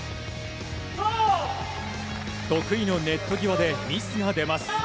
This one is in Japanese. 得意のネット際でミスが出ます。